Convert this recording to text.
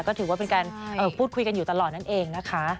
ก็ถือว่าเป็นการพูดคุยกันอยู่ตลอดนั่นเองนะคะ